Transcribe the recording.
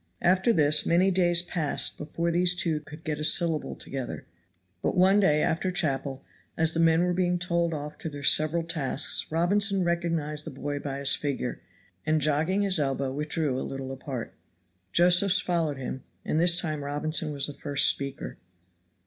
After this many days passed before these two could get a syllable together. But one day after chapel as the men were being told off to their several tasks Robinson recognized the boy by his figure, and jogging his elbow withdrew a little apart; Josephs followed him, and this time Robinson was the first speaker.